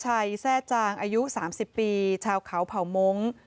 เจ้าหน้าที่แซ่จางอายุ๓๐ปีชาวเขาเผ่ามงค์